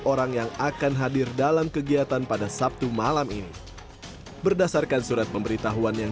orang yang akan hadir dalam kegiatan pada sabtu malam ini berdasarkan surat pemberitahuan yang